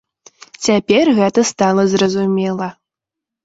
Цяпер гэта стала зразумела.